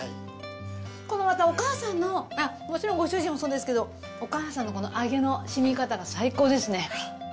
このまたお母さんのもちろんご主人もそうですけどお母さんのこの揚げの染み方が最高ですね。